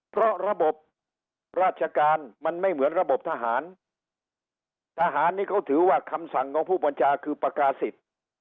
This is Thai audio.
เพราะระบบราชการมันไม่เหมือนระบบทหารทหารนี่เขาถือว่าคำสั่งของผู้บัญชาการคือปากกาศิษย์